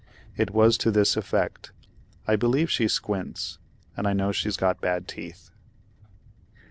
It was to this effect. "I believe she squints, and I know she's got bad teeth."